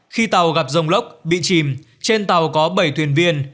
khi tàu gặp rông lốc bị chìm trên tàu có bảy thuyền viên